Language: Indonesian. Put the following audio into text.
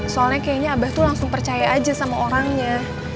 soalnya kayaknya abah tuh langsung percaya aja sama orangnya